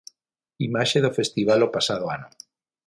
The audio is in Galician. Imaxe do festival o pasado ano.